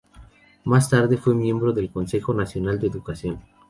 Más tarde fue miembro del Consejo Nacional de Educación.